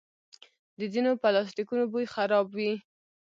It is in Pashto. د ځینو پلاسټیکونو بوی خراب وي.